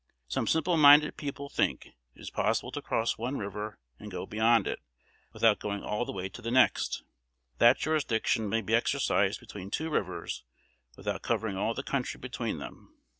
Some simple minded people think it possible to cross one river and go beyond it, without going all the way to the next; that jurisdiction may be exercised between two rivers without covering all the country between them.